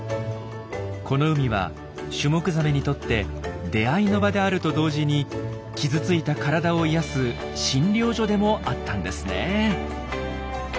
この海はシュモクザメにとって出会いの場であると同時に傷ついた体を癒やす診療所でもあったんですね。